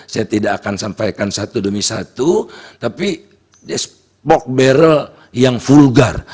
saya tidak akan sampaikan satu demi satu tapi this box barrel yang vulgar